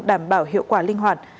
đảm bảo hiệu quả linh hoạt